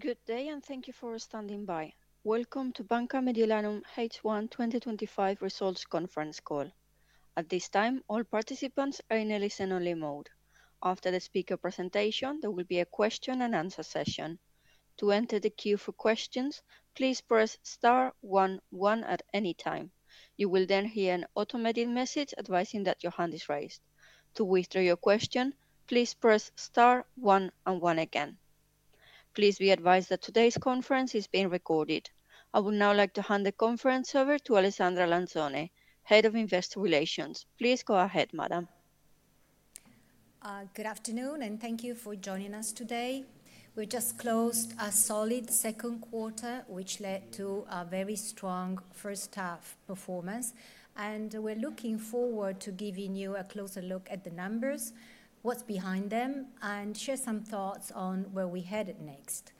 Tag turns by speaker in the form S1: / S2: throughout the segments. S1: Good day, and thank you for standing by. Welcome to Banca Mediolanum H1 2025 Results Conference Call. At this time, all participants are in listen-only mode. After the speaker presentation, there will be a question-and-answer session. To enter the queue for questions, please press star one one at any time. You will then hear an automated message advising that your hand is raised. To withdraw your question, please press star one one again. Please be advised that today's conference is being recorded. I would now like to hand the conference over to Alessandra Lanzone, Head of Investor Relations. Please go ahead, madam.
S2: Good afternoon, and thank you for joining us today. We've just closed a solid second quarter, which led to a very strong first half performance, and we're looking forward to giving you a closer look at the numbers, what's behind them, and share some thoughts on where we're headed next.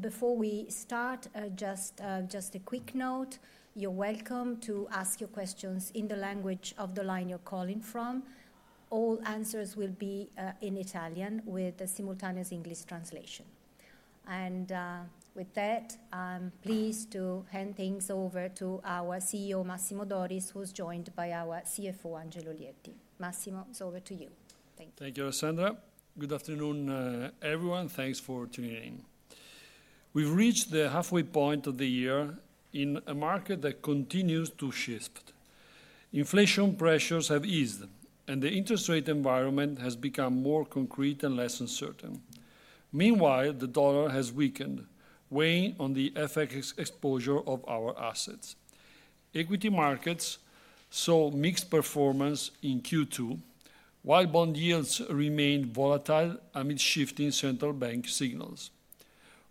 S2: Before we start, just a quick note: you're welcome to ask your questions in the language of the line you're calling from. All answers will be in Italian with a simultaneous English translation. With that, I'm pleased to hand things over to our CEO, Massimo Doris, who's joined by our CFO, Angelo Lietti. Massimo, it's over to you. Thank you.
S3: Thank you, Alessandra. Good afternoon, everyone. Thanks for tuning in. We've reached the halfway point of the year in a market that continues to shift. Inflation pressures have eased, and the interest rate environment has become more concrete and less uncertain. Meanwhile, the dollar has weakened, weighing on the FX exposure of our assets. Equity markets saw mixed performance in Q2, while bond yields remained volatile amid shifting central bank signals.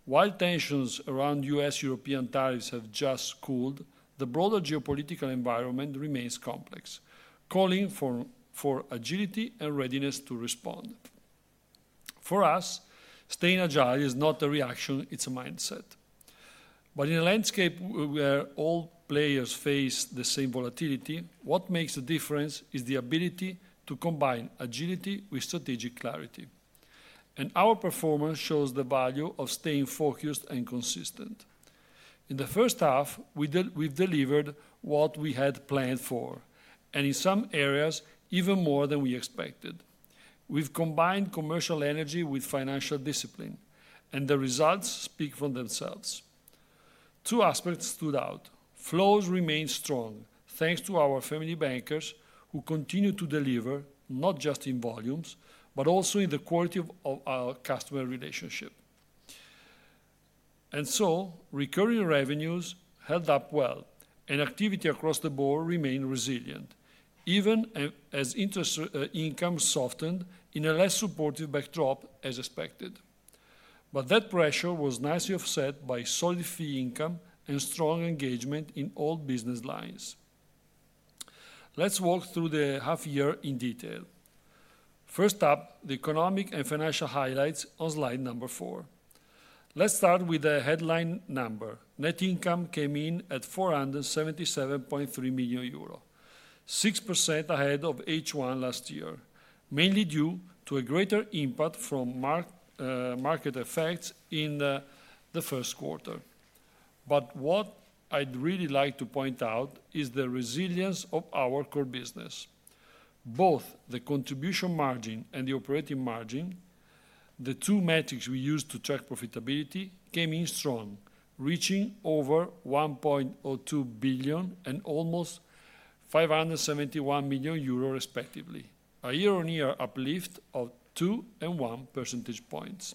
S3: While tensions around U.S.-European tariffs have just cooled, the broader geopolitical environment remains complex, calling for agility and readiness to respond. For us, staying agile is not a reaction; it's a mindset. In a landscape where all players face the same volatility, what makes the difference is the ability to combine agility with strategic clarity. Our performance shows the value of staying focused and consistent. In the first half, we've delivered what we had planned for, and in some areas, even more than we expected. We've combined commercial energy with financial discipline, and the results speak for themselves. Two aspects stood out: flows remain strong, thanks to our Family Bankers, who continue to deliver, not just in volumes, but also in the quality of our customer relationship. Recurring revenues held up well, and activity across the board remained resilient, even as interest income softened in a less supportive backdrop as expected. That pressure was nicely offset by solid fee income and strong engagement in all business lines. Let's walk through the half-year in detail. First up, the economic and financial highlights on slide number four. Let's start with the headline number: net income came in at 477.3 million euro, 6% ahead of H1 last year, mainly due to a greater impact from market effects in the first quarter. What I'd really like to point out is the resilience of our core business. Both the contribution margin and the operating margin, the two metrics we use to track profitability, came in strong, reaching over 1.02 billion and almost 571 million euro respectively, a year-on-year uplift of 2.1 percentage points.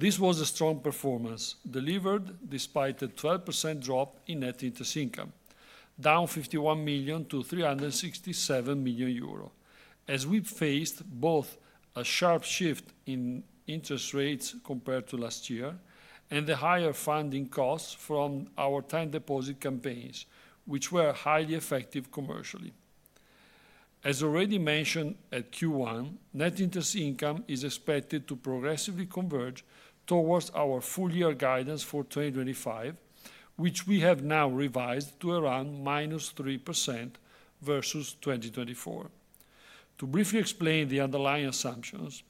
S3: This was a strong performance, delivered despite a 12% drop in net interest income, down 51 million to 367 million euro, as we've faced both a sharp shift in interest rates compared to last year and the higher funding costs from our time deposit campaigns, which were highly effective commercially. As already mentioned at Q1, net interest income is expected to progressively converge towards our full-year guidance for 2025, which we have now revised to around -3% versus 2024. To briefly explain the underlying assumptions,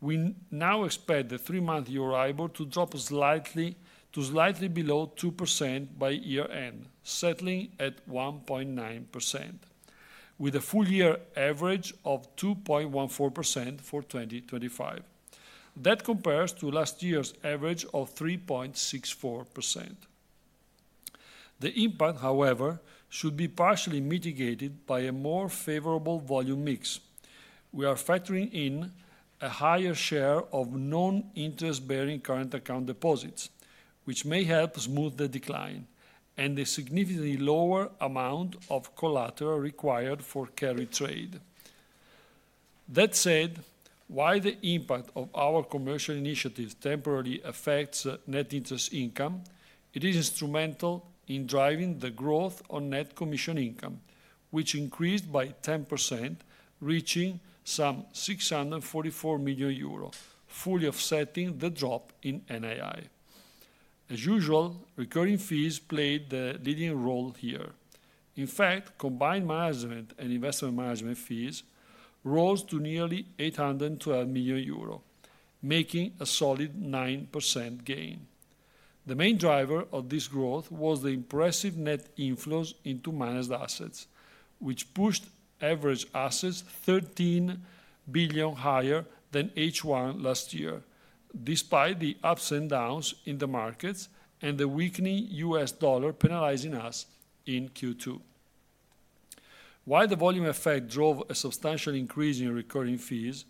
S3: we now expect the three-month year-over to drop slightly to slightly below 2% by year-end, settling at 1.9%, with a full-year average of 2.14% for 2025. That compares to last year's average of 3.64%. The impact, however, should be partially mitigated by a more favorable volume mix. We are factoring in a higher share of non-interest-bearing current account deposits, which may help smooth the decline, and the significantly lower amount of collateral required for carry trade. That said, while the impact of our commercial initiatives temporarily affects net interest income, it is instrumental in driving the growth on net commission income, which increased by 10%, reaching some 644 million euro, fully offsetting the drop in NAI. As usual, recurring fees played the leading role here. In fact, combined management and investment management fees rose to nearly 812 million euro, making a solid 9% gain. The main driver of this growth was the impressive net inflows into managed assets, which pushed average assets 13 billion higher than H1 last year, despite the ups and downs in the markets and the weakening U.S. dollar penalizing us in Q2. While the volume effect drove a substantial increase in recurring fees,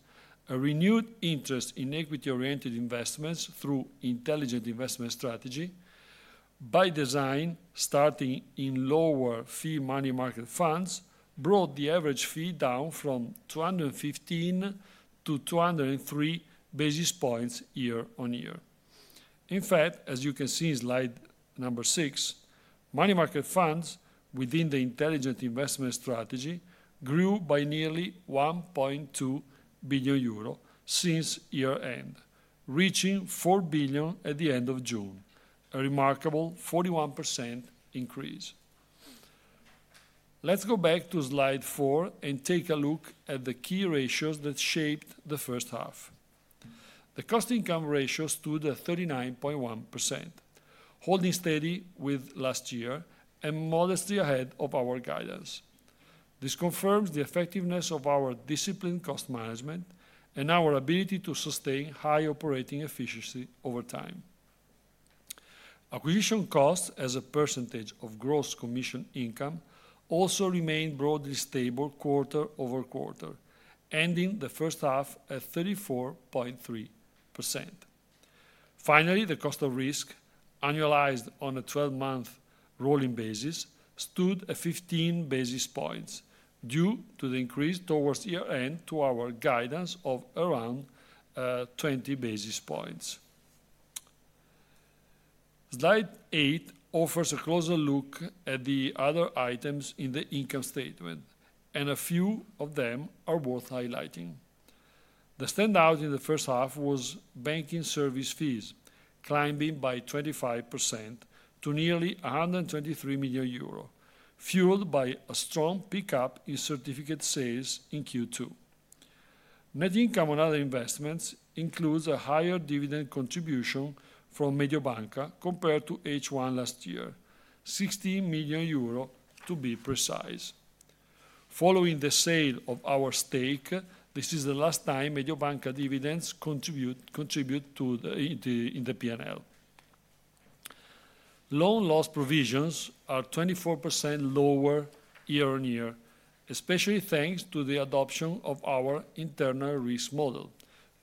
S3: a renewed interest in equity-oriented investments through Intelligent Investment Strategy, by design, starting in lower fee money market funds, brought the average fee down from 215 to 203 basis points year-on-year. In fact, as you can see in slide number six, money market funds within the Intelligent Investment Strategy grew by nearly 1.2 billion euro since year-end, reaching 4 billion at the end of June, a remarkable 41% increase. Let's go back to slide four and take a look at the key ratios that shaped the first half. The cost-to-income ratio stood at 39.1%, holding steady with last year and modestly ahead of our guidance. This confirms the effectiveness of our disciplined cost management and our ability to sustain high operating efficiency over time. Acquisition costs, as a percentage of gross commission income, also remained broadly stable quarter over quarter, ending the first half at 34.3%. Finally, the cost of risk, annualized on a 12-month rolling basis, stood at 15 basis points due to the increase towards year-end to our guidance of around 20 basis points. Slide eight offers a closer look at the other items in the income statement, and a few of them are worth highlighting. The standout in the first half was banking service fees, climbing by 25% to nearly 123 million euro, fueled by a strong pickup in certificate sales in Q2. Net income on other investments includes a higher dividend contribution from Mediobanca compared to H1 last year, 16 million euro, to be precise. Following the sale of our stake, this is the last time Mediobanca dividends contribute to the P&L. Loan loss provisions are 24% lower year-on-year, especially thanks to the adoption of our internal risk model,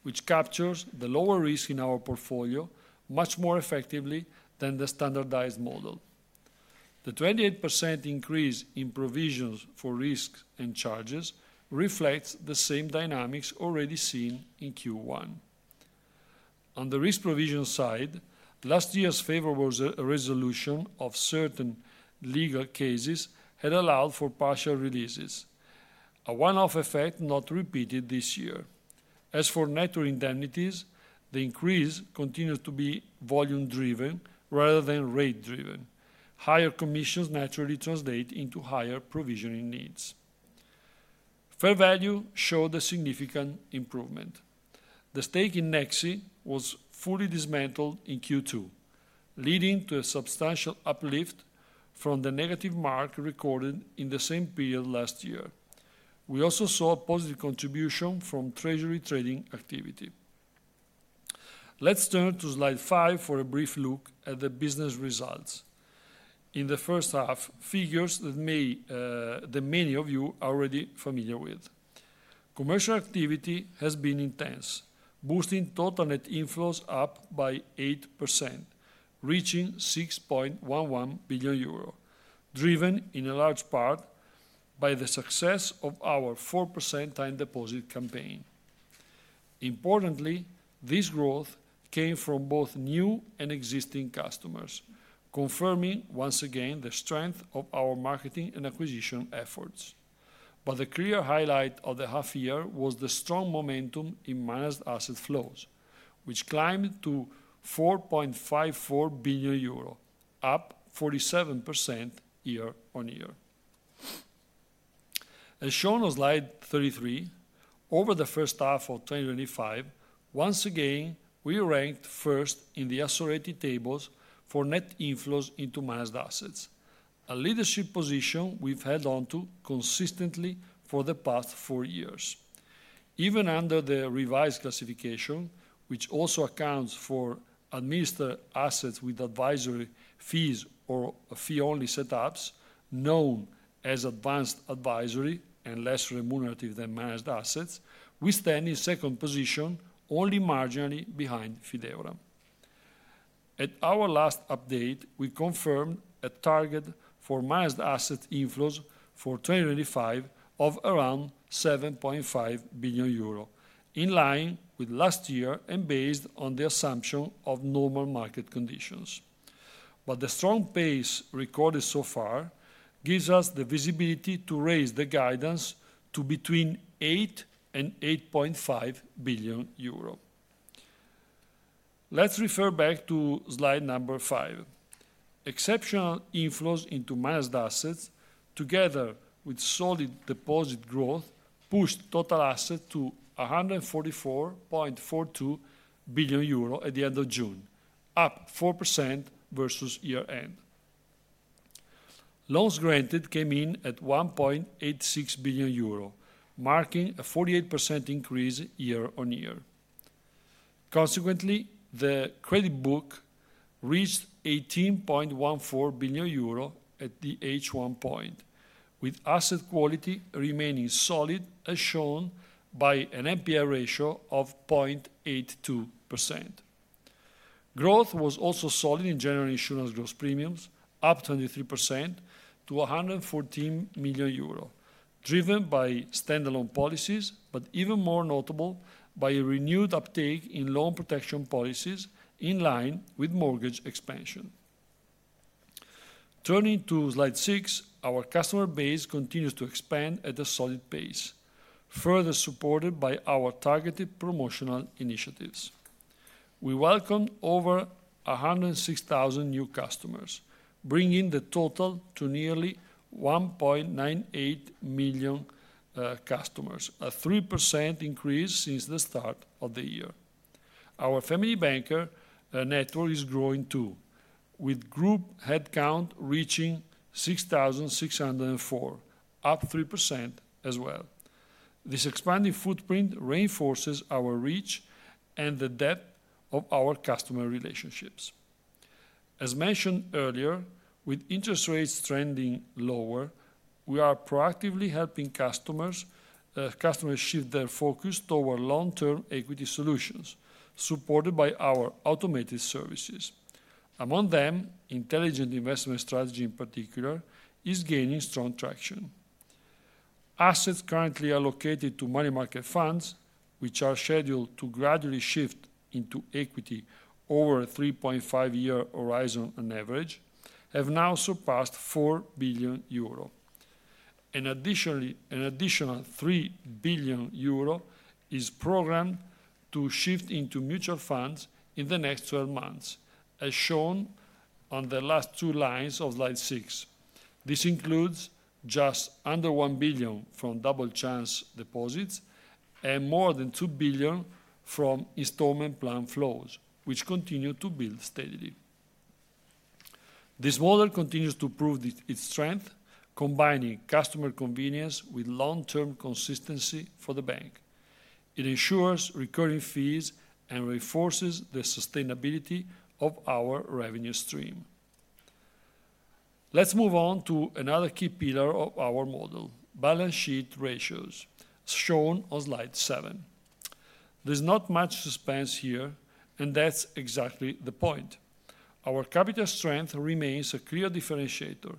S3: which captures the lower risk in our portfolio much more effectively than the standardized model. The 28% increase in provisions for risks and charges reflects the same dynamics already seen in Q1. On the risk provision side, last year's favorable resolution of certain legal cases had allowed for partial releases, a one-off effect not repeated this year. As for net indemnities, the increase continues to be volume-driven rather than rate-driven. Higher commissions naturally translate into higher provisioning needs. Fair value showed a significant improvement. The stake in Nexi was fully dismantled in Q2, leading to a substantial uplift from the negative mark recorded in the same period last year. We also saw a positive contribution from treasury trading activity. Let's turn to slide five for a brief look at the business results. In the first half, figures that many of you are already familiar with. Commercial activity has been intense, boosting total net inflows up by 8%, reaching 6.11 billion euro, driven in large part by the success of our 4% time deposit campaign. Importantly, this growth came from both new and existing customers, confirming once again the strength of our marketing and acquisition efforts. The clear highlight of the half-year was the strong momentum in managed asset flows, which climbed to 4.54 billion euro, up 47% year-on-year. As shown on slide 33, over the first half of 2025, once again, we ranked first in the accelerated tables for net inflows into managed assets, a leadership position we've held on to consistently for the past four years, even under the revised classification, which also accounts for. Administered assets with advisory fees or fee-only setups, known as advanced advisory and less remunerative than managed assets, we stand in second position, only marginally behind Fideuram. At our last update, we confirmed a target for managed asset inflows for 2025 of around 7.5 billion euro, in line with last year and based on the assumption of normal market conditions. The strong pace recorded so far gives us the visibility to raise the guidance to between 8 billion and €8.5 billion. Let's refer back to slide number five. Exceptional inflows into managed assets, together with solid deposit growth, pushed total assets to 144.42 billion euro at the end of June, up 4% versus year-end. Loans granted came in at 1.86 billion euro, marking a 48% increase year-on-year. Consequently, the credit book reached 18.14 billion euro at the H1 point, with asset quality remaining solid, as shown by an NPE ratio of 0.82%. Growth was also solid in general insurance gross premiums, up 23% to 114 million euro, driven by standalone policies, but even more notable by a renewed uptake in loan protection policies in line with mortgage expansion. Turning to slide six, our customer base continues to expand at a solid pace, further supported by our targeted promotional initiatives. We welcomed over 106,000 new customers, bringing the total to nearly 1.98 million customers, a 3% increase since the start of the year. Our Family Banker network is growing too, with group headcount reaching 6,604, up 3% as well. This expanding footprint reinforces our reach and the depth of our customer relationships. As mentioned earlier, with interest rates trending lower, we are proactively helping customers shift their focus toward long-term equity solutions, supported by our automated services. Among them, Intelligent Investment Strategy, in particular, is gaining strong traction. Assets currently allocated to money market funds, which are scheduled to gradually shift into equity over a 3.5-year horizon on average, have now surpassed 4 billion euro. Additionally, an additional 3 billion euro is programmed to shift into mutual funds in the next 12 months, as shown on the last two lines of slide six. This includes just under 1 billion from Double Chance deposits and more than 2 billion from installment plan flows, which continue to build steadily. This model continues to prove its strength, combining customer convenience with long-term consistency for the bank. It ensures recurring fees and reinforces the sustainability of our revenue stream. Let's move on to another key pillar of our model, balance sheet ratios, as shown on slide seven. There is not much suspense here, and that is exactly the point. Our capital strength remains a clear differentiator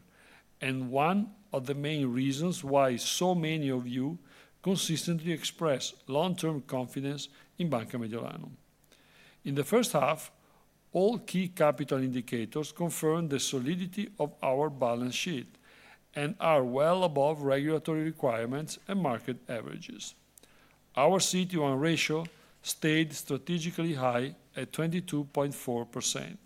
S3: and one of the main reasons why so many of you consistently express long-term confidence in Banca Mediolanum. In the first half, all key capital indicators confirmed the solidity of our balance sheet and are well above regulatory requirements and market averages. Our CET1 ratio stayed strategically high at 22.4%.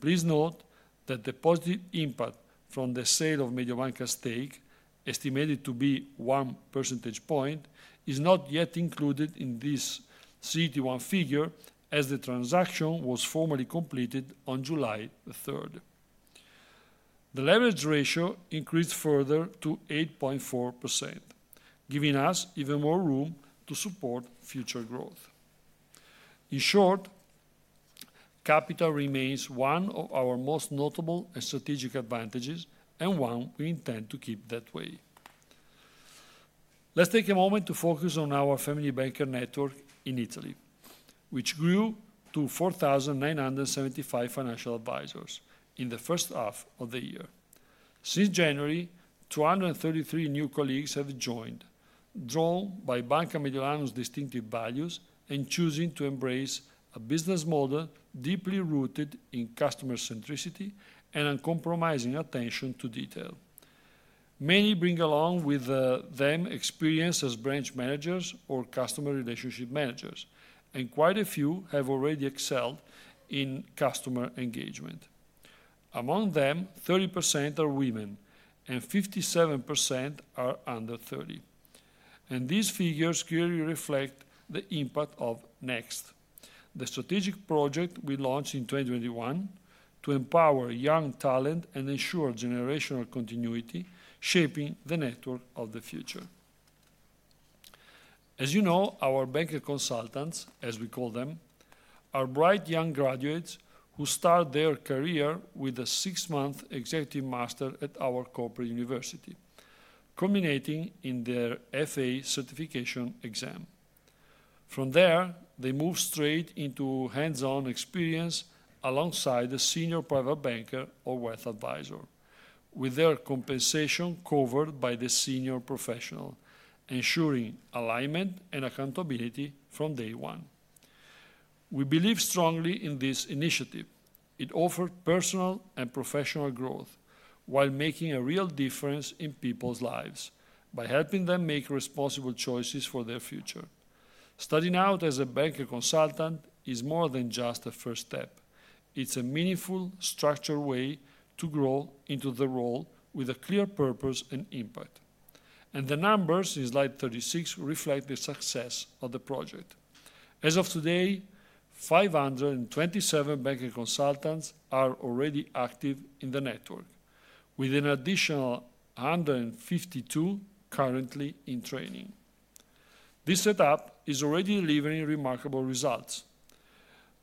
S3: Please note that the positive impact from the sale of Mediobanca's stake, estimated to be one percentage point, is not yet included in this CET1 figure, as the transaction was formally completed on July 3rd. The leverage ratio increased further to 8.4%, giving us even more room to support future growth. In short, capital remains one of our most notable and strategic advantages, and one we intend to keep that way. Let's take a moment to focus on our Family Banker network in Italy, which grew to 4,975 financial advisors in the first half of the year. Since January, 233 new colleagues have joined, drawn by Banca Mediolanum's distinctive values and choosing to embrace a business model deeply rooted in customer centricity and uncompromising attention to detail. Many bring along with them experience as branch managers or customer relationship managers, and quite a few have already excelled in customer engagement. Among them, 30% are women and 57% are under 30. These figures clearly reflect the impact of the "Next", the strategic project we launched in 2021 to empower young talent and ensure generational continuity, shaping the network of the future. As you know, our banker consultants, as we call them, are bright young graduates who start their career with a six-month executive master at our corporate university, culminating in their FA certification exam. From there, they move straight into hands-on experience alongside a Senior Private Banker or Wealth Advisor, with their compensation covered by the senior professional, ensuring alignment and accountability from day one. We believe strongly in this initiative. It offered personal and professional growth while making a real difference in people's lives by helping them make responsible choices for their future. Starting out as a banker consultant is more than just a first step. It's a meaningful, structured way to grow into the role with a clear purpose and impact. The numbers in slide 36 reflect the success of the project. As of today, 527 banker consultants are already active in the network, with an additional 152 currently in training. This setup is already delivering remarkable results.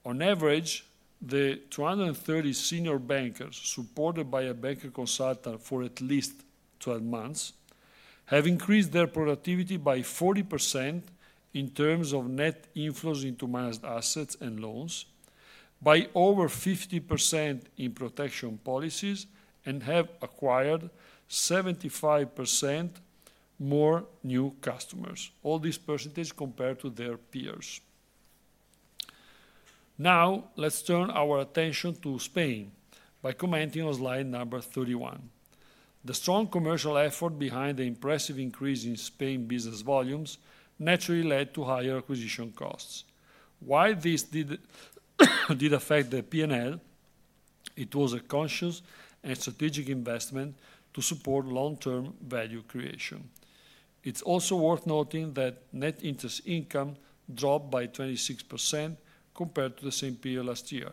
S3: On average, the 230 Senior Bankers supported by a banker consultant for at least 12 months have increased their productivity by 40% in terms of net inflows into managed assets and loans, by over 50% in protection policies, and have acquired 75% more new customers, all these percentages compared to their peers. Now, let's turn our attention to Spain by commenting on slide number 31. The strong commercial effort behind the impressive increase in Spain business volumes naturally led to higher acquisition costs. While this did affect the P&L, it was a conscious and strategic investment to support long-term value creation. It's also worth noting that net interest income dropped by 26% compared to the same period last year.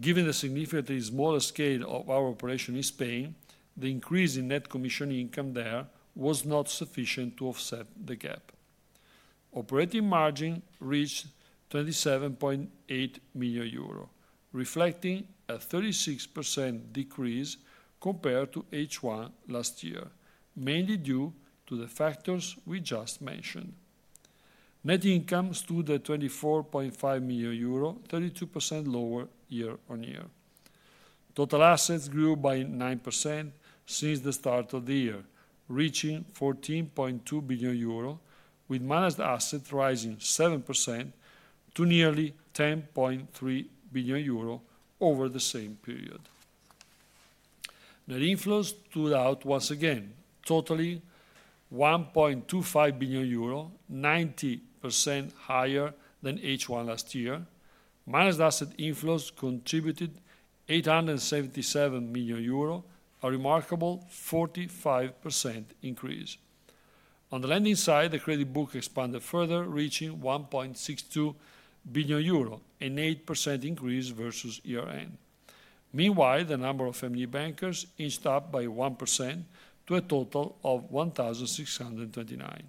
S3: Given the significantly smaller scale of our operation in Spain, the increase in net commission income there was not sufficient to offset the gap. Operating margin reached 27.8 million euro, reflecting a 36% decrease compared to H1 last year, mainly due to the factors we just mentioned. Net income stood at 4.5 million euro, 32% lower year-on-year. Total assets grew by 9% since the start of the year, reaching €14.2 billion, with managed assets rising 7% to nearly 10.3 billion euro over the same period. Net inflows stood out once again, totaling 1.25 billion euro, 90% higher than H1 last year. Managed asset inflows contributed 877 million euro, a remarkable 45% increase. On the lending side, the credit book expanded further, reaching 1.62 billion euro, an 8% increase versus year-end. Meanwhile, the number of Family Bankers inched up by 1% to a total of 1,629.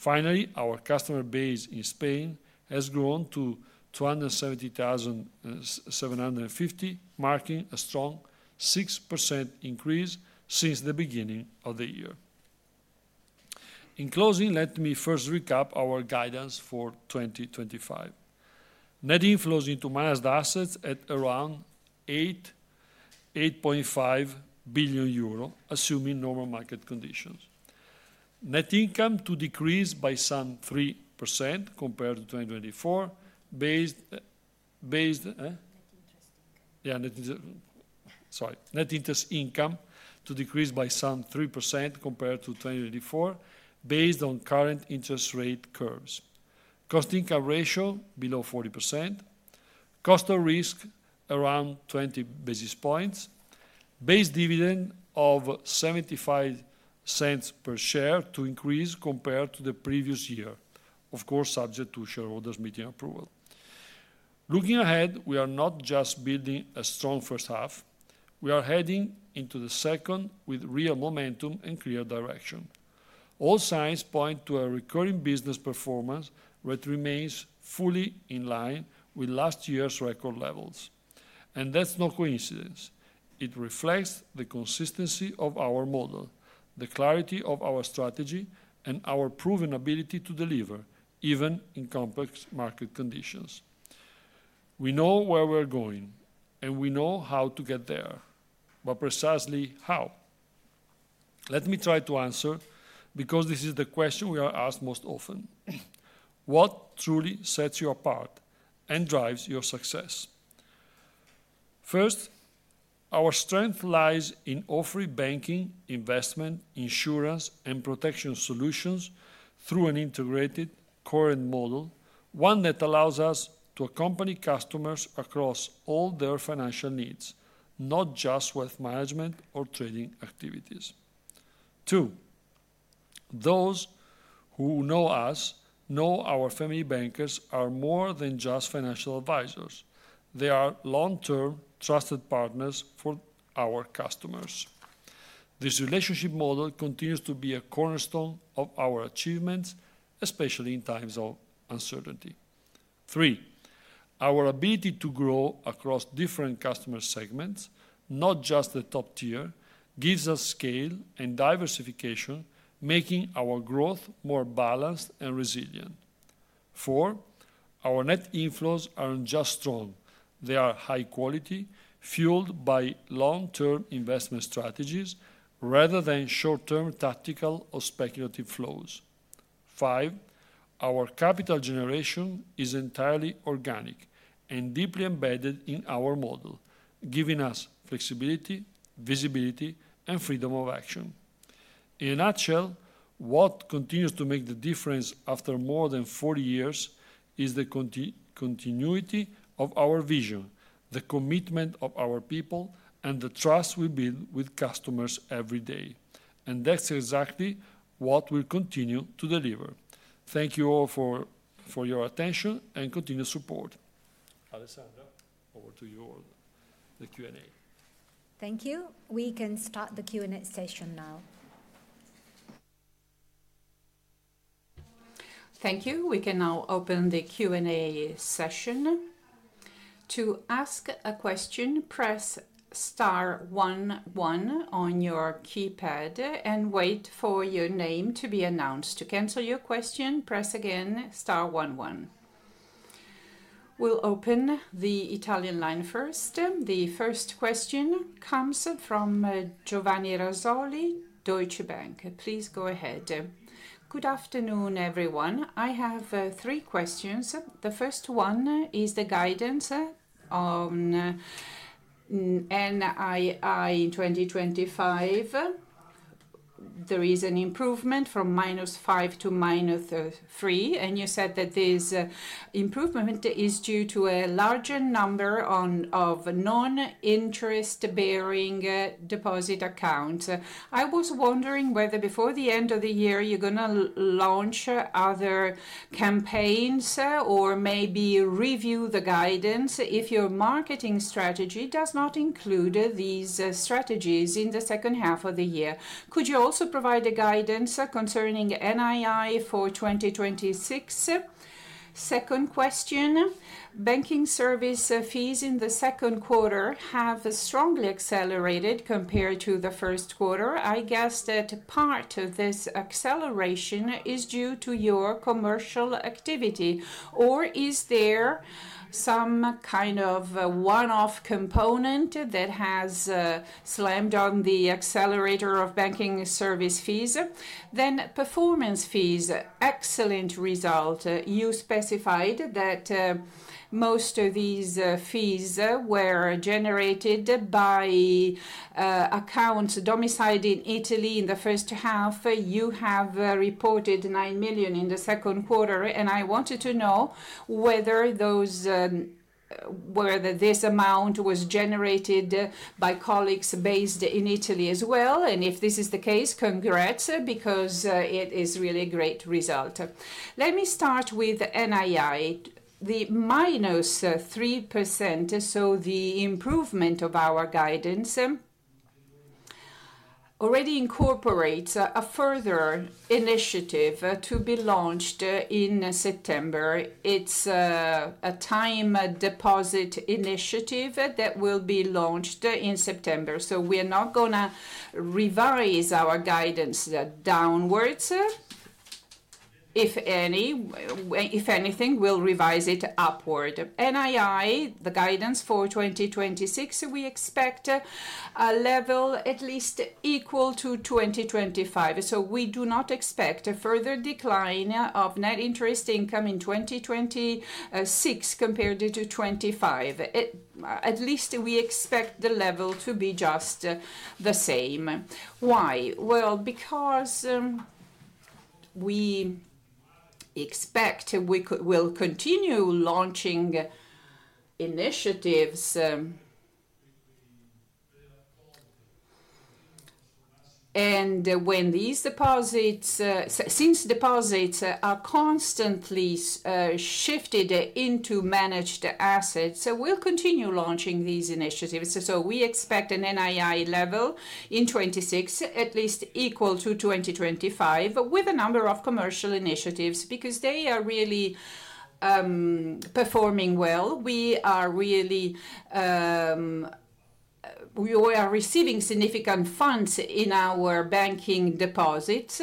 S3: Finally, our customer base in Spain has grown to 270,750, marking a strong 6% increase since the beginning of the year. In closing, let me first recap our guidance for 2025. Net inflows into managed assets at around 8.5 billion euro, assuming normal market conditions. Net income to decrease by some 3% compared to 2024, based on net interest income. Net interest income to decrease by some 3% compared to 2024, based on current interest rate curves. Cost-to-income ratio below 40%. Cost of risk around 20 basis points, base dividend of 0.75 per share to increase compared to the previous year, of course, subject to shareholders' meeting approval. Looking ahead, we are not just building a strong first half; we are heading into the second with real momentum and clear direction. All signs point to a recurring business performance that remains fully in line with last year's record levels. It reflects the consistency of our model, the clarity of our strategy, and our proven ability to deliver, even in complex market conditions. We know where we're going, and we know how to get there, but precisely how? Let me try to answer, because this is the question we are asked most often. What truly sets you apart and drives your success? First, our strength lies in offering banking, investment, insurance, and protection solutions through an integrated, current model, one that allows us to accompany customers across all their financial needs, not just wealth management or trading activities. Two, those who know us know our Family Bankers are more than just financial advisors. They are long-term, trusted partners for our customers. This relationship model continues to be a cornerstone of our achievements, especially in times of uncertainty. Three, our ability to grow across different customer segments, not just the top tier, gives us scale and diversification, making our growth more balanced and resilient. Four, our net inflows aren't just strong; they are high quality, fueled by long-term investment strategies rather than short-term tactical or speculative flows. Five, our capital generation is entirely organic and deeply embedded in our model, giving us flexibility, visibility, and freedom of action. In a nutshell, what continues to make the difference after more than 40 years is the continuity of our vision, the commitment of our people, and the trust we build with customers every day. That's exactly what we'll continue to deliver. Thank you all for your attention and continued support. Alessandra, over to you for the Q&A.
S1: Thank you. We can start the Q&A session now. Thank you. We can now open the Q&A session. To ask a question, press star one one on your keypad and wait for your name to be announced. To cancel your question, press again star one one. We'll open the Italian line first. The first question comes from Giovanni Razzoli, Deutsche Bank. Please go ahead. Good afternoon, everyone. I have three questions. The first one is the guidance on NII in 2025. There is an improvement from -5% to -3%, and you said that this improvement is due to a larger number of non-interest-bearing deposit accounts. I was wondering whether, before the end of the year, you're going to launch other campaigns or maybe review the guidance if your marketing strategy does not include these strategies in the second half of the year. Could you also provide guidance concerning NII for 2026? Second question. Banking service fees in the second quarter have strongly accelerated compared to the first quarter. I guess that part of this acceleration is due to your commercial activity. Is there some kind of one-off component that has slammed on the accelerator of banking service fees? Performance fees, excellent result. You specified that most of these fees were generated by accounts domiciled in Italy in the first half. You have reported 9 million in the second quarter, and I wanted to know whether this amount was generated by colleagues based in Italy as well. If this is the case, congrats, because it is really a great result. Let me start with NII. The -3%, so the improvement of our guidance, already incorporates a further initiative to be launched in September. It's a time deposit initiative that will be launched in September. We are not going to revise our guidance downwards. If anything, we'll revise it upward. NII, the guidance for 2026, we expect a level at least equal to 2025. We do not expect a further decline of net interest income in 2026 compared to 2025. At least we expect the level to be just the same. We expect we will continue launching initiatives, and when these deposits, since deposits are constantly shifted into managed assets, we'll continue launching these initiatives. We expect an NII level in 2026 at least equal to 2025, with a number of commercial initiatives because they are really performing well. We are really receiving significant funds in our banking deposits,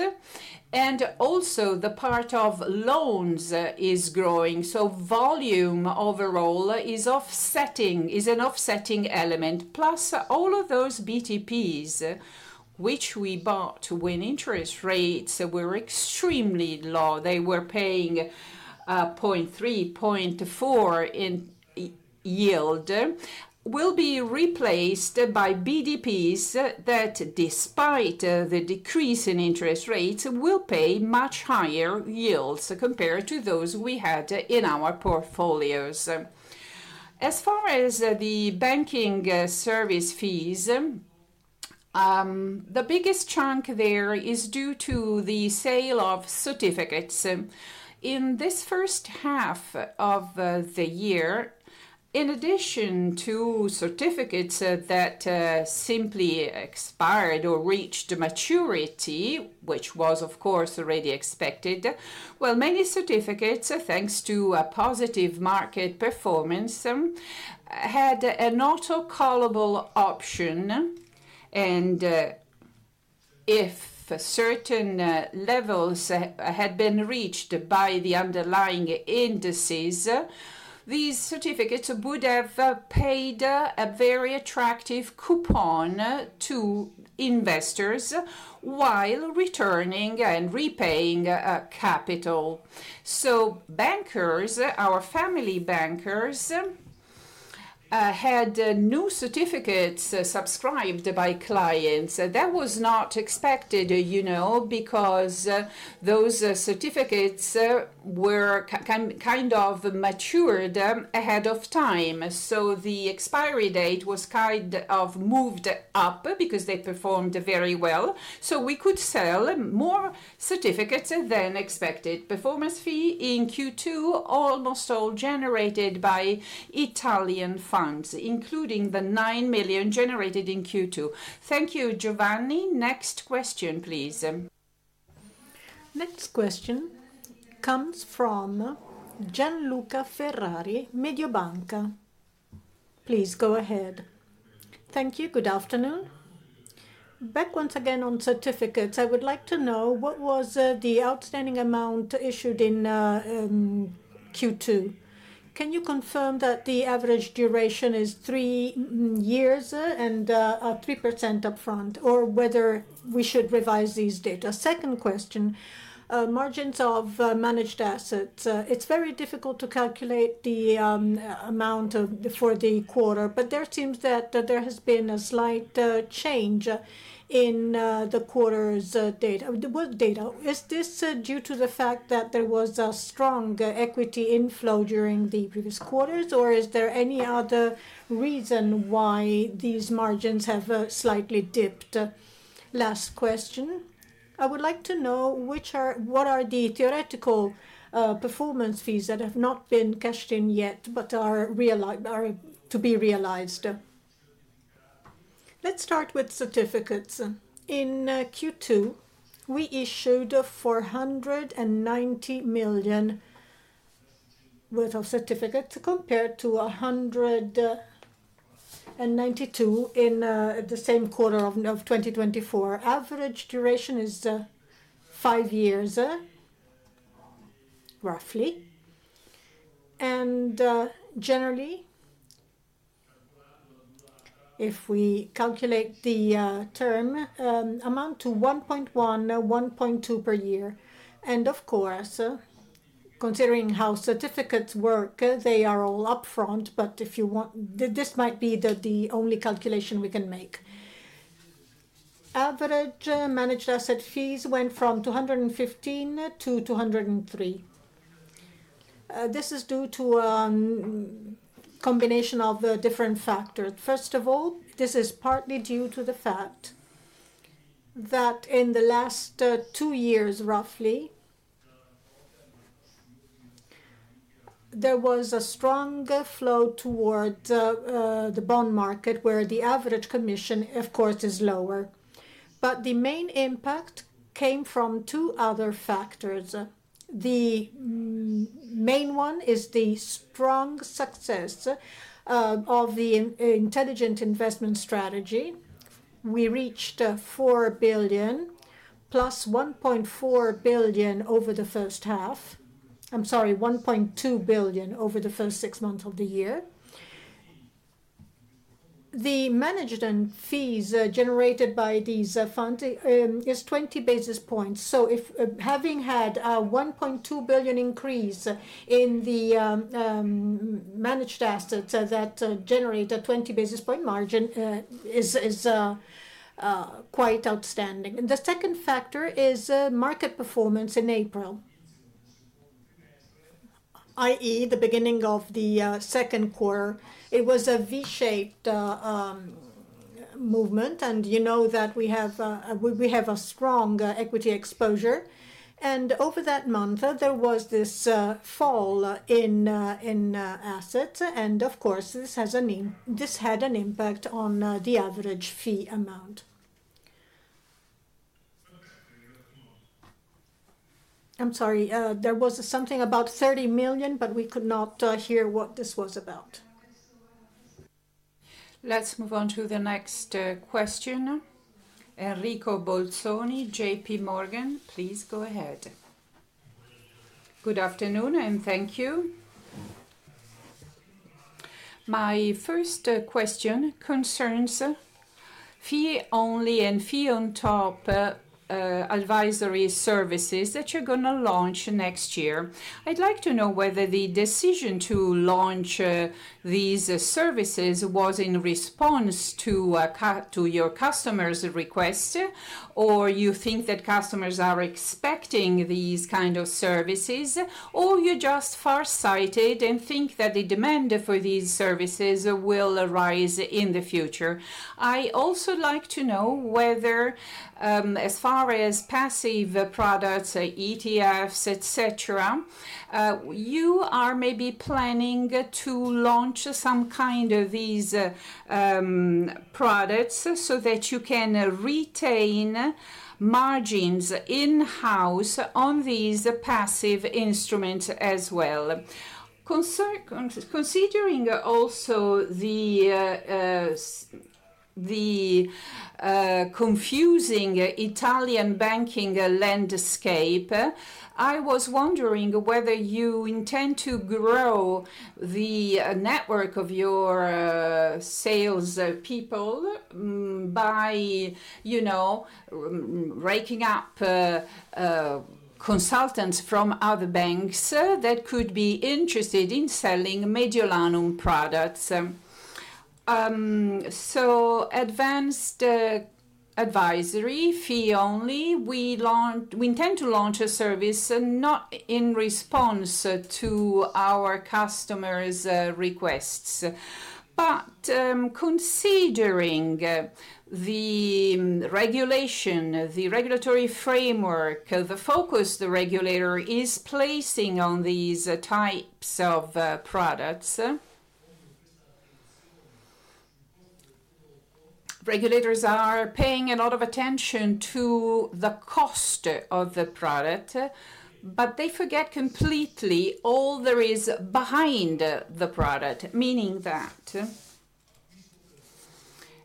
S1: and also the part of loans is growing. Volume overall is an offsetting element. Plus, all of those BTPs, which we bought when interest rates were extremely low, they were paying 0.3%, 0.4% in yield, will be replaced by BTPs that, despite the decrease in interest rates, will pay much higher yields compared to those we had in our portfolios. As far as the banking service fees, the biggest chunk there is due to the sale of certificates. In this first half of the year, in addition to certificates that simply expired or reached maturity, which was, of course, already expected, many certificates, thanks to a positive market performance, had an auto-callable option. If certain levels had been reached by the underlying indices, these certificates would have paid a very attractive coupon to investors while returning and repaying capital. Our Family Bankers had new certificates subscribed by clients. That was not expected, you know, because those certificates were kind of matured ahead of time. The expiry date was kind of moved up because they performed very well. We could sell more certificates than expected. Performance fee in Q2 almost all generated by Italian funds, including the 9 million generated in Q2. Thank you, Giovanni. Next question, please. Next question comes from Gianluca Ferrari, Mediobanca. Please go ahead. Thank you. Good afternoon. Back once again on certificates. I would like to know what was the outstanding amount issued in Q2. Can you confirm that the average duration is three years and 3% upfront, or whether we should revise these data? Second question. Margins of managed assets. It's very difficult to calculate the amount for the quarter, but there seems that there has been a slight change in the quarter's data. Is this due to the fact that there was a strong equity inflow during the previous quarters, or is there any other reason why these margins have slightly dipped? Last question. I would like to know what are the theoretical performance fees that have not been cashed in yet but are to be realized. Let's start with certificates. In Q2, we issued 490 million worth of certificates compared to 192 million in the same quarter of 2024. Average duration is five years, roughly. Generally, if we calculate the term amount to 1.1, 1.2 per year. Of course, considering how certificates work, they are all upfront, but if you want, this might be the only calculation we can make. Average managed asset fees went from 215-203. This is due to a combination of different factors. First of all, this is partly due to the fact that in the last two years, roughly, there was a strong flow towards the bond market, where the average commission, of course, is lower. The main impact came from two other factors. The main one is the strong success of the Intelligent Investment Strategy. We reached 4 billion plus 1.4 billion over the first half. I'm sorry, 1.2 billion over the first six months of the year. The management fees generated by these funds is 20 basis points. Having had a 1.2 billion increase in the managed assets that generate a 20 basis point margin is quite outstanding. The second factor is market performance in April, i.e., the beginning of the second quarter. It was a V-shaped movement, and you know that we have a strong equity exposure. Over that month, there was this fall in assets, and of course, this had an impact on the average fee amount. I'm sorry. There was something about 30 million, but we could not hear what this was about. Let's move on to the next question. Enrico Bolzoni, JPMorgan. Please go ahead. Good afternoon, and thank you. My first question concerns fee-only and fee-on-top advisory services that you're going to launch next year. I'd like to know whether the decision to launch these services was in response to your customers' request, or you think that customers are expecting these kinds of services, or you are just foresighted and think that the demand for these services will arise in the future. I also would like to know whether, as far as passive products, ETFs, etc., you are maybe planning to launch some kind of these products so that you can retain margins in-house on these passive instruments as well. Considering also the confusing Italian banking landscape, I was wondering whether you intend to grow the network of your salespeople by raking up consultants from other banks that could be interested in selling Mediolanum products. Advanced advisory, fee-only, we intend to launch a service not in response to our customers' requests, but considering the regulation, the regulatory framework, the focus the regulator is placing on these types of products. Regulators are paying a lot of attention to the cost of the product, but they forget completely all there is behind the product, meaning that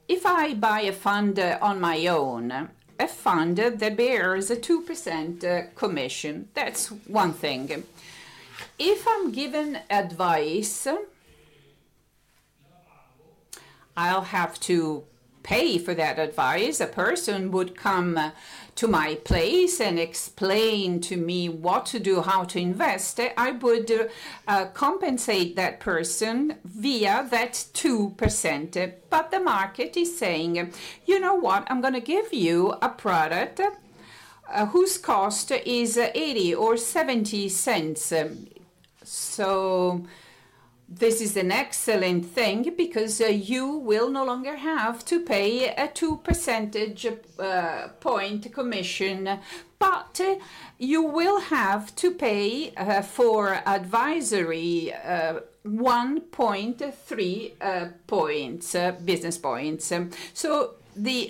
S1: if I buy a fund on my own, a fund that bears a 2% commission, that's one thing. If I'm given advice, I'll have to pay for that advice, a person would come to my place and explain to me what to do, how to invest, I would compensate that person via that 2%. The market is saying, "You know what? I'm going to give you a product whose cost is 0.80 or 0.70. This is an excellent thing because you will no longer have to pay a 2% point commission, but you will have to pay for advisory, 1.3 business points. The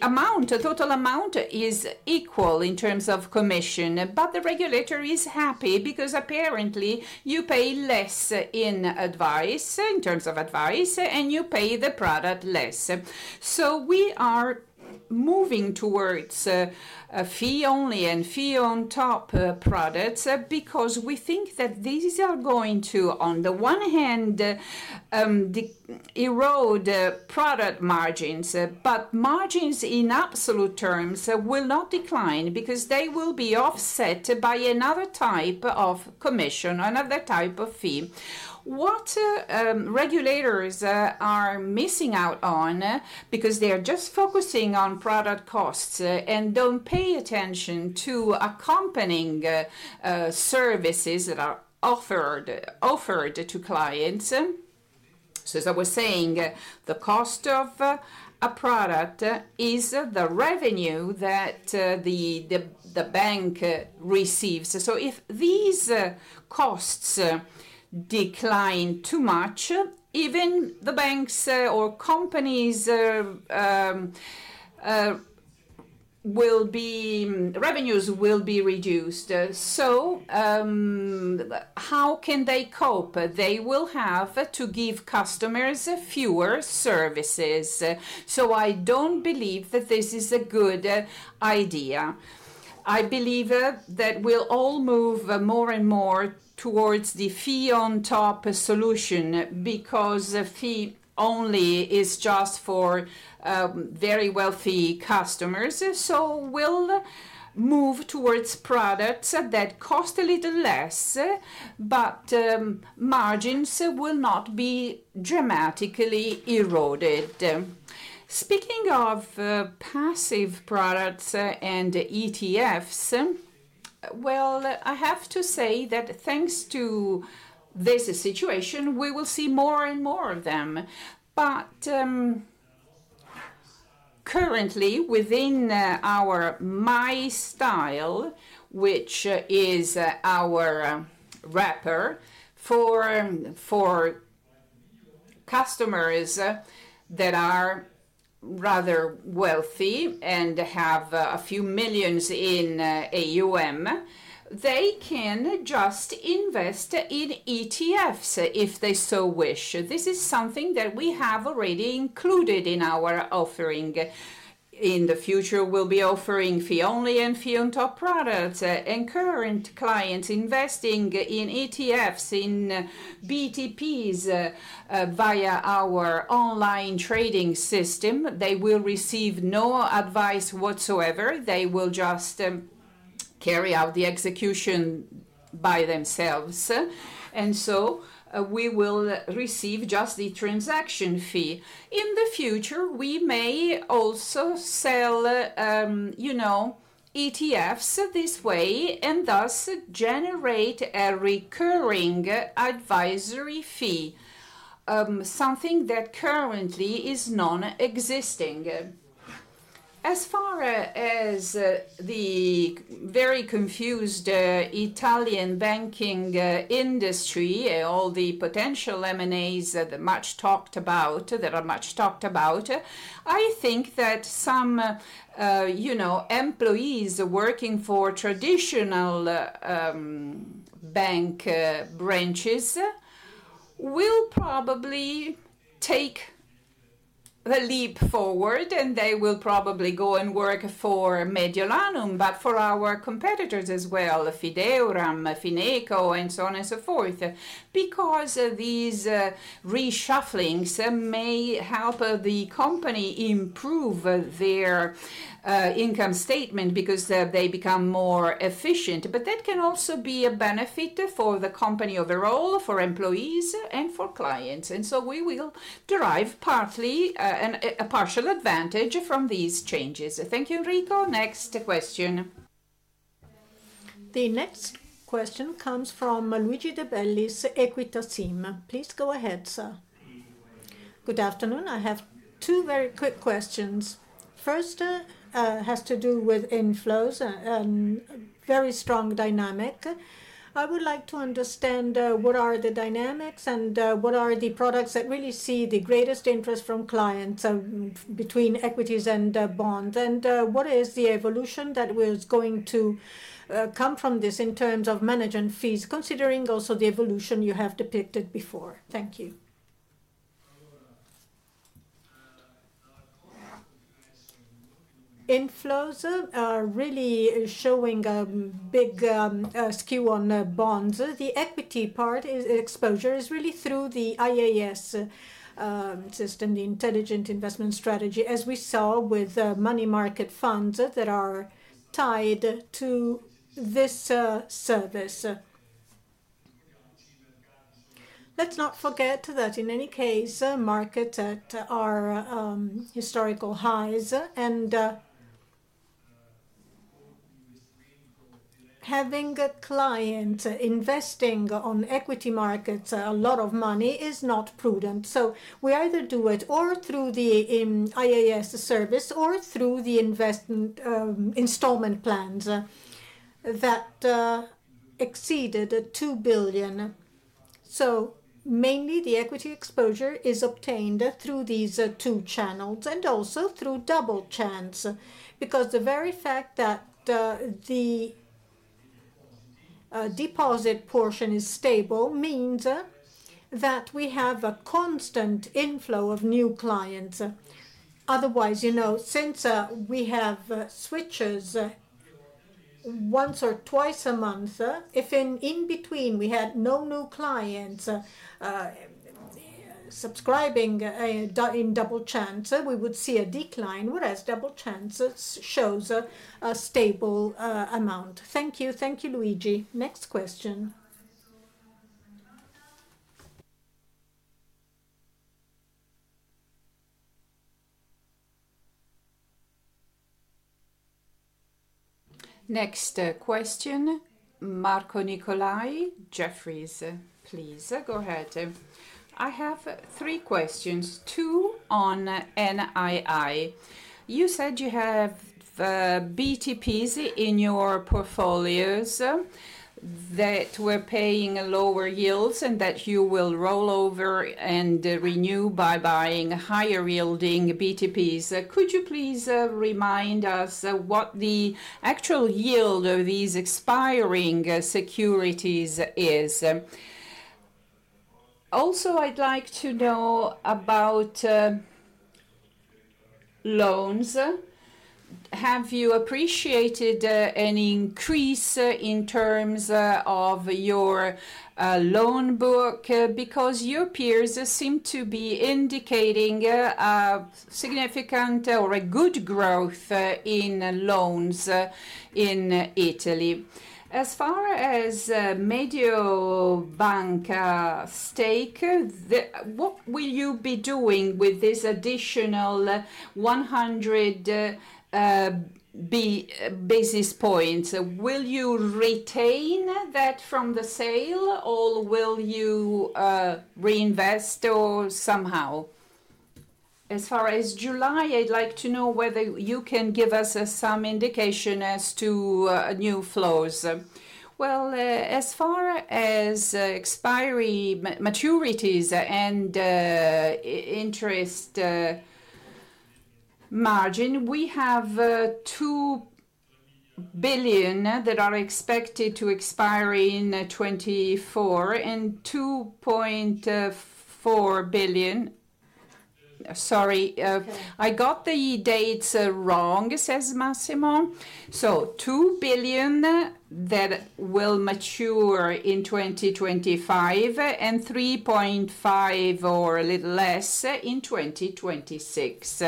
S1: amount, the total amount, is equal in terms of commission, but the regulator is happy because apparently you pay less in advice, in terms of advice, and you pay the product less. We are moving towards fee-only and fee-on-top products because we think that these are going to, on the one hand, erode product margins, but margins in absolute terms will not decline because they will be offset by another type of commission, another type of fee. What regulators are missing out on is that they are just focusing on product costs and don't pay attention to accompanying services that are offered to clients. As I was saying, the cost of a product is the revenue that the bank receives. If these costs decline too much, even the banks' or companies' revenues will be reduced. How can they cope? They will have to give customers fewer services. I don't believe that this is a good idea. I believe that we'll all move more and more towards the fee-on-top solution because fee-only is just for very wealthy customers. We'll move towards products that cost a little less, but margins will not be dramatically eroded. Speaking of passive products and ETFs, I have to say that thanks to this situation, we will see more and more of them. Currently, within our MyStyle, which is our wrapper for customers that are rather wealthy and have a few millions in AUM, they can just invest in ETFs if they so wish. This is something that we have already included in our offering. In the future, we'll be offering fee-only and fee-on-top products. Current clients investing in ETFs, in BTPs via our online trading system, will receive no advice whatsoever. They will just carry out the execution by themselves, and we will receive just the transaction fee. In the future, we may also sell ETFs this way and thus generate a recurring advisory fee, something that currently is non-existing. As far as the very confused Italian banking industry, all the potential M&As that are much talked about, I think that some employees working for traditional bank branches will probably take the leap forward, and they will probably go and work for Banca Mediolanum, but for our competitors as well, Fideuram, Fineco, and so on and so forth, because these reshufflings may help the company improve their income statement because they become more efficient. That can also be a benefit for the company overall, for employees, and for clients. We will derive partly a partial advantage from these changes. Thank you, Enrico. Next question. The next question comes from Luigi De Bellis' Equita team. Please go ahead, sir. Good afternoon. I have two very quick questions. First has to do with inflows and very strong dynamic. I would like to understand what are the dynamics and what are the products that really see the greatest interest from clients between equities and bonds, and what is the evolution that was going to come from this in terms of management fees, considering also the evolution you have depicted before. Thank you. Inflows are really showing a big skew on bonds. The equity part exposure is really through the IAS system, the Intelligent Investment Strategy, as we saw with money market funds that are tied to this service. Let's not forget that in any case, markets at our historical highs, and having a client investing on equity markets a lot of money is not prudent. We either do it through the IAS service or through the installment plans that exceeded 2 billion. Mainly, the equity exposure is obtained through these two channels and also through Double Chance because the very fact that the deposit portion is stable means that we have a constant inflow of new clients. Otherwise, since we have switches once or twice a month, if in between we had no new clients subscribing in Double Chance, we would see a decline, whereas Double Chance shows a stable amount. Thank you. Thank you, Luigi. Next question. Next question. Marco Nicolai, Jefferies, please go ahead. I have three questions, two on NII. You said you have BTPs in your portfolios that were paying lower yields and that you will roll over and renew by buying higher-yielding BTPs. Could you please remind us what the actual yield of these expiring securities is? Also, I'd like to know about loans. Have you appreciated any increase in terms of your loan book? Because your peers seem to be indicating a significant or a good growth in loans in Italy. As far as Mediobanca stake, what will you be doing with this additional 100 basis points? Will you retain that from the sale, or will you reinvest, or somehow? As far as July, I'd like to know whether you can give us some indication as to new flows. As far as maturities and interest margin, we have 2 billion that are expected to expire in 2024 and 24 billion. Sorry, I got the dates wrong, says Massimo. 2 billion that will mature in 2025 and 3.5 billion or a little less in 2026.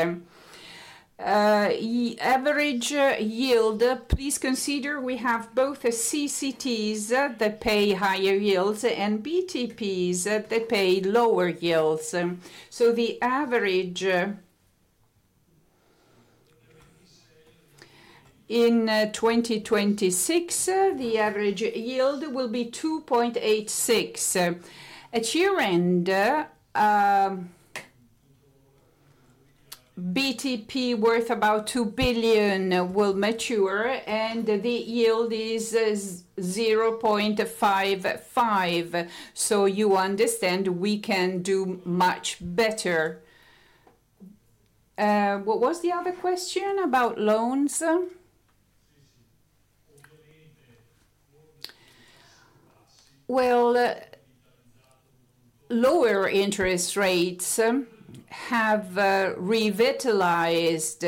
S1: Average yield, please consider we have both CCTs that pay higher yields and BTPs that pay lower yields. The average in 2026, the average yield will be 2.86%. At year-end, BTP worth about 2 billion will mature, and the yield is 0.55%. You understand we can do much better. What was the other question about loans? Lower interest rates have revitalized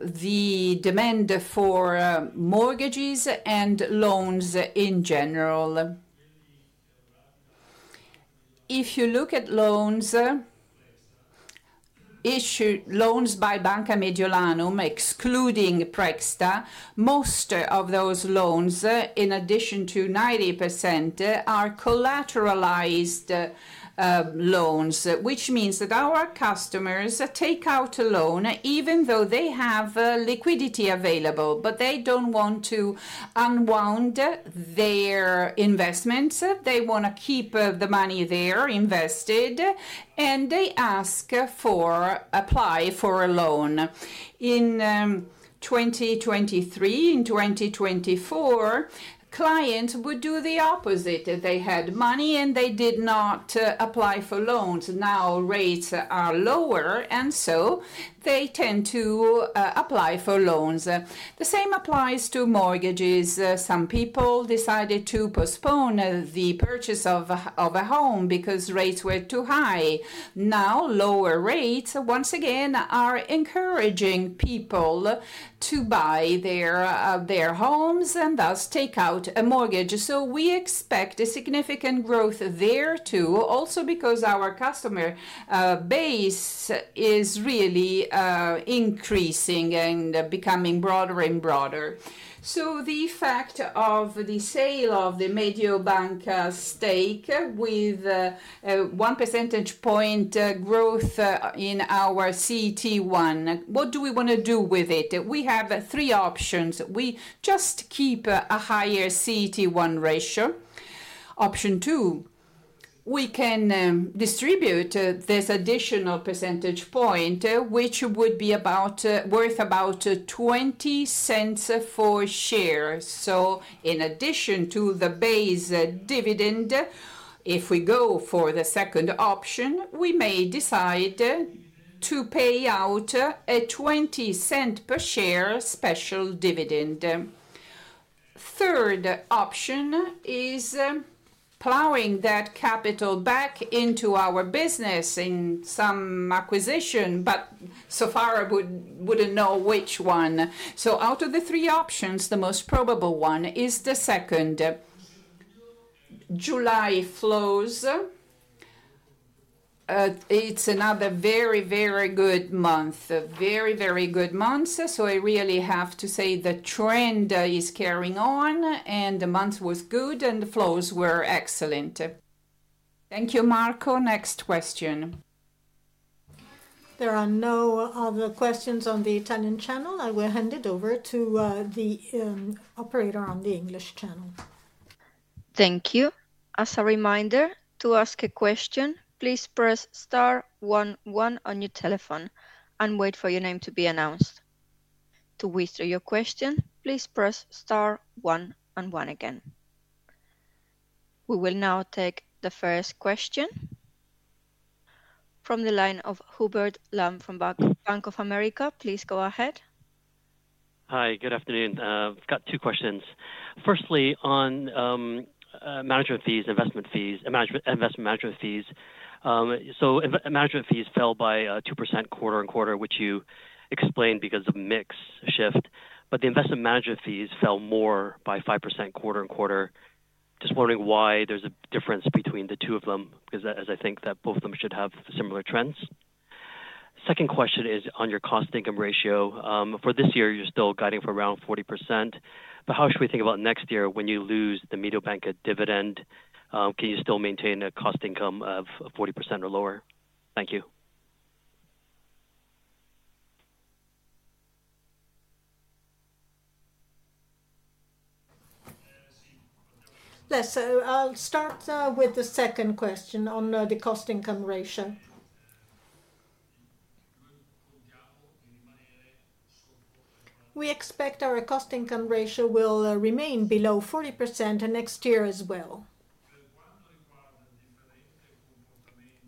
S1: the demand for mortgages and loans in general. If you look at loans issued by Banca Mediolanum, excluding PREXTA, most of those loans, in addition to 90%, are collateralized loans, which means that our customers take out a loan even though they have liquidity available, but they don't want to unwind their investments. They want to keep the money there invested, and they apply for a loan. In 2023, in 2024, clients would do the opposite. They had money, and they did not apply for loans. Now rates are lower, and they tend to apply for loans. The same applies to mortgages. Some people decided to postpone the purchase of a home because rates were too high. Now lower rates, once again, are encouraging people to buy their homes and thus take out a mortgage. We expect significant growth there too, also because our customer base is really increasing and becoming broader and broader. The fact of the sale of the Mediobanca stake with 1 percentage point growth in our CET1, what do we want to do with it? We have three options. We just keep a higher CET1 ratio. Option two, we can distribute this additional percentage point, which would be worth about 0.20 per share. In addition to the base dividend, if we go for the second option, we may decide to pay out a 0.20 per share special dividend. Third option is plowing that capital back into our business in some acquisition, but so far, I wouldn't know which one. Out of the three options, the most probable one is the second. July flows, it's another very, very good month, very, very good month. I really have to say the trend is carrying on, and the month was good, and the flows were excellent. Thank you, Marco. Next question. There are no other questions on the tenant channel. I will hand it over to the operator on the English channel. Thank you. As a reminder, to ask a question, please press star one one on your telephone and wait for your name to be announced. To whisper your question, please press star one one again. We will now take the first question. From the line of Hubert Lam from Bank of America. Please go ahead. Hi, good afternoon. I've got two questions. Firstly, on management fees, investment fees, and investment management fees. Management fees fell by 2% quarter-on-quarter, which you explained because of mix shift, but the investment management fees fell more by 5% quarter-on-quarter. Just wondering why there's a difference between the two of them because I think that both of them should have similar trends. Second question is on your cost-to-income ratio. For this year, you're still guiding for around 40%, but how should we think about next year when you lose the Mediobanca dividend? Can you still maintain a cost-to-income of 40% or lower? Thank you.
S4: Yes, I'll start with the second question on the cost-to-income ratio. We expect our cost-to-income ratio will remain below 40% next year as well.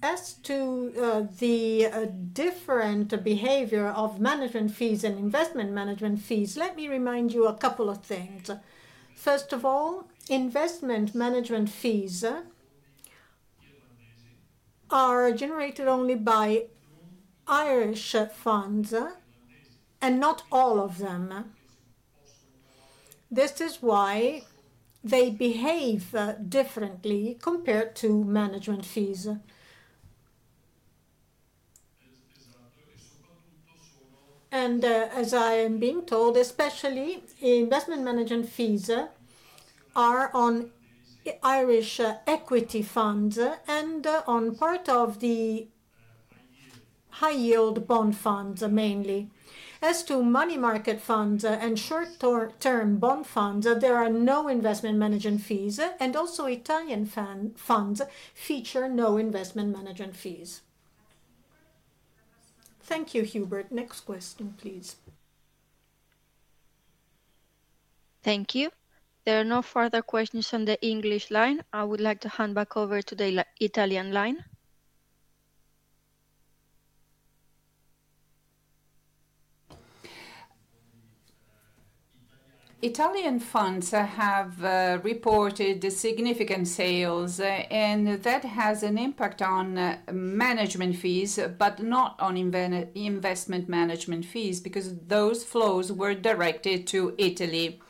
S4: As to the different behavior of management fees and investment management fees, let me remind you a couple of things.
S3: First of all, investment management fees are generated only by Irish funds, and not all of them. This is why they behave differently compared to management fees. As I am being told, especially investment management fees are on Irish equity funds and on part of the high-yield bond funds mainly. As to money market funds and short-term bond funds, there are no investment management fees, and also Italian funds feature no investment management fees. Thank you, Hubert. Next question, please.
S5: Thank you. There are no further questions on the English line. I would like to hand back over to the Italian line. Italian funds have reported significant sales, and that has an impact on management fees, but not on investment management fees because those flows were directed to Italy.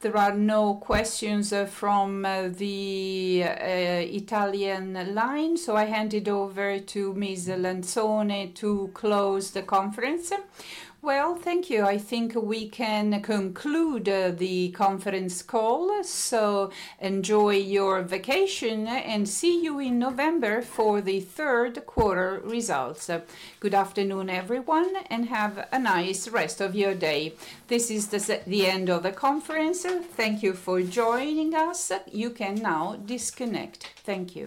S5: There are no questions from the Italian line, so I hand it over to Ms. Lanzone to close the conference. Thank you. I think we can conclude the conference call. Enjoy your vacation and see you in November for the third quarter results. Good afternoon, everyone, and have a nice rest of your day. This is the end of the conference. Thank you for joining us. You can now disconnect. Thank you.